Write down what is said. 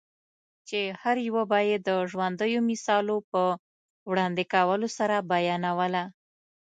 چي هره یوه به یې د ژوندییو مثالو په وړاندي کولو سره بیانوله؛